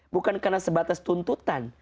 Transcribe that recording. bukan karena sebatas tuntutan